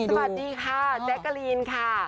สวัสดีค่ะแจ๊กกะลีนค่ะ